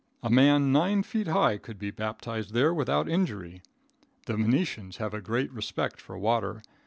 A man nine feet high could be baptized there without injury. The Venetians have a great respect for water.